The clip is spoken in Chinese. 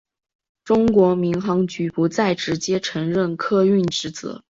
中国民航局不再直接承担客运职责。